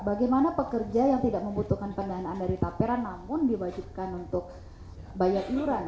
bagaimana pekerja yang tidak membutuhkan pendanaan dari tapera namun diwajibkan untuk bayar iuran